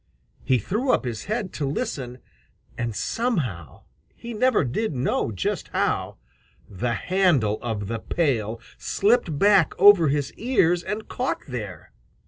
He threw up his head to listen, and somehow, he never did know just how, the handle of the pail slipped back over his ears and caught there.